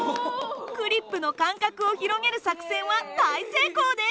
クリップの間隔を広げる作戦は大成功です！